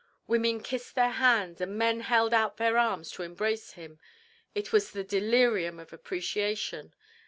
Women kissed their hands and men held out their arms to embrace him. It was the delirium of appreciation.